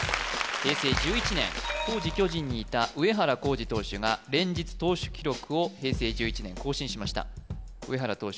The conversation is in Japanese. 平成１１年当時巨人にいた上原浩治投手が連日投手記録を平成１１年更新しました上原投手